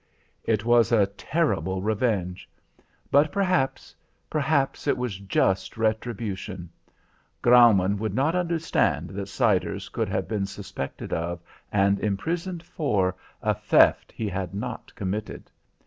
"It was a terrible revenge. But perhaps perhaps it was just retribution. Graumaun would not understand that Siders could have been suspected of, and imprisoned for, a theft he had not committed.